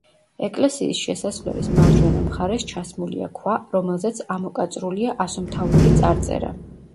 ეკლესიის შესასვლელის მარჯვენა მხარეს ჩასმულია ქვა, რომელზეც ამოკაწრულია ასომთავრული წარწერა.